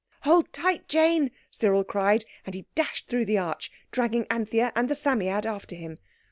"Hold tight, Jane!" Cyril cried, and he dashed through the arch, dragging Anthea and the Psammead after him.